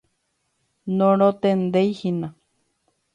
Norontendeihína.